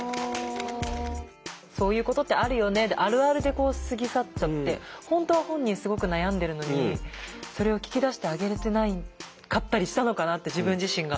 あるで過ぎ去っちゃって本当は本人すごく悩んでるのにそれを聞き出してあげれてなかったりしたのかなって自分自身が。